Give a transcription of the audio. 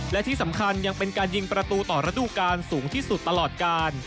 และที่สำคัญยังเป็นการยิงประตูต่อระดูการสูงที่สุดตลอดการ